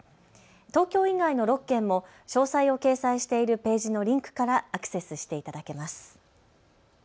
東京以外の６県も詳細を掲載しているページのリンクからアクセスしていただけます。